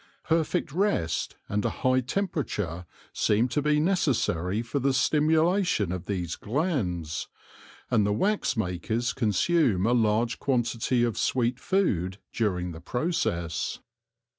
Perfect rest and a high temperature seem to be neces sary for the stimulation of these glands, and the wax makers consume a large quantity of sweet food during the process.